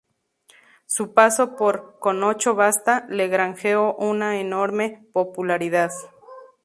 Su paso por "Con ocho basta" le granjeó una enorme popularidad.